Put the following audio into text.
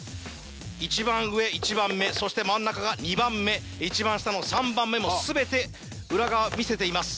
１番上１番目そして真ん中が２番目１番下の３番目も全て裏側見せています